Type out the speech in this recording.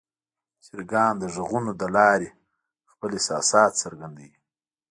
چرګان د غږونو له لارې خپل احساسات څرګندوي.